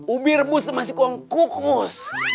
ubi rebus masih kurang kukus